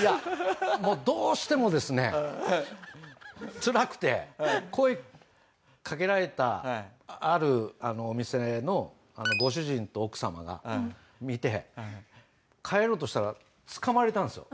いやもうどうしてもですねつらくて声かけられたあるお店のご主人と奥様が見て帰ろうとしたらつかまれたんですよ。